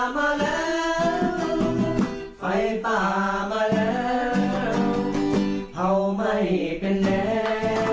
มาแล้วใดป่ามาแล้วเข้าใหม่เป็นแนว